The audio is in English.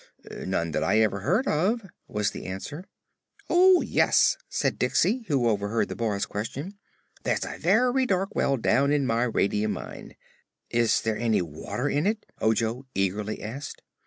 None that ever I heard of," was the answer. "Oh, yes," said Diksey, who overheard the boy's question. "There's a very dark well down in my radium mine." "Is there any water in it?" Ojo eagerly asked.